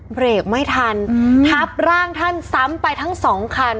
เบรกไม่ทันทับร่างท่านซ้ำไปทั้งสองคัน